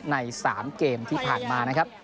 ใน๓เกมที่ผ่านมานะครับ